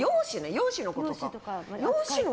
容姿のことか。